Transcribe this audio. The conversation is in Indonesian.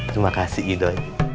terima kasih ido